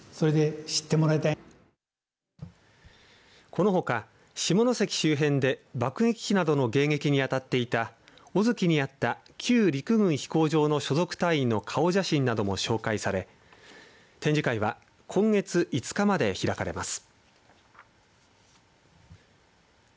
このほか下関周辺で爆撃機などの迎撃に当たっていた小月にあった旧陸軍飛行場の所属社員の顔写真なども紹介され展示会は今月５日まで開かれます。